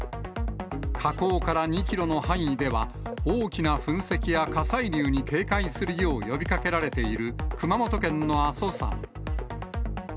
火口から２キロの範囲では、大きな噴石や火砕流に警戒するよう呼びかけられている熊本県の阿蘇山。